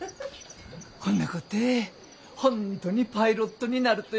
ほんなこって本当にパイロットになるとやもんね。